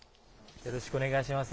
よろしくお願いします。